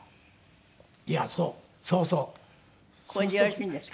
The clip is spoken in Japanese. これでよろしいんですか？